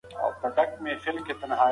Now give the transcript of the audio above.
که پښتورګي سم کار و نه کړي، بدن زیان ویني.